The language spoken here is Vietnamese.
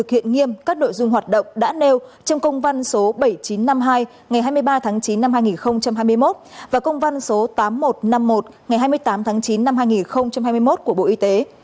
hiện các nội dung hoạt động đã nêu trong công văn số bảy nghìn chín trăm năm mươi hai ngày hai mươi ba tháng chín năm hai nghìn hai mươi một và công văn số tám nghìn một trăm năm mươi một ngày hai mươi tám tháng chín năm hai nghìn hai mươi một của bộ y tế